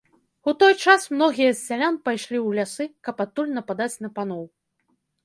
У той час многія з сялян пайшлі ў лясы, каб адтуль нападаць на паноў.